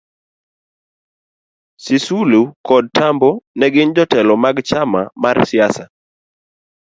SisulukodTambo ne ginjotelo magchama marsiasama